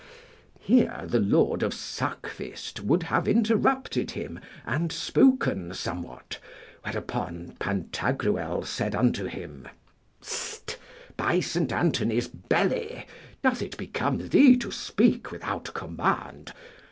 Here the Lord of Suckfist would have interrupted him and spoken somewhat, whereupon Pantagruel said unto him, St! by St. Anthony's belly, doth it become thee to speak without command?